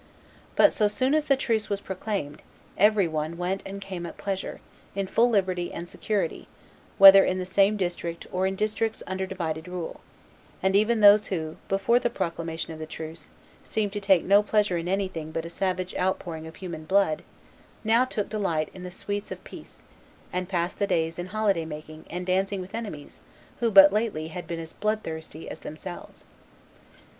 But, so soon as the truce was proclaimed, every one went and came at pleasure, in full liberty and security, whether in the same district or in districts under divided rule; and even those who, before the proclamation of the truce, seemed to take no pleasure in anything but a savage outpouring of human blood, now took delight in the sweets of peace, and passed the days in holiday making and dancing with enemies who but lately had been as bloodthirsty as themselves."